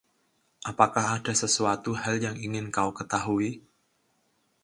Apakah ada sesuatu hal yang ingin kau ketahui?